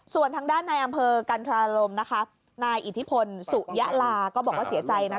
ส่วนทางด้านในอำเภอกันทราลมนะคะนายอิทธิพลสุยะลาก็บอกว่าเสียใจนะ